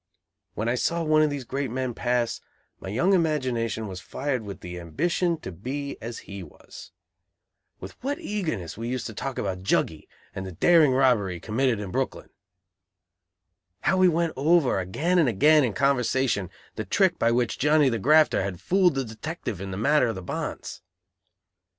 When I saw one of these great men pass, my young imagination was fired with the ambition to be as he was! With what eagerness we used to talk about "Juggy," and the daring robbery he committed in Brooklyn! How we went over again and again in conversation, the trick by which Johnny the "grafter" had fooled the detective in the matter of the bonds!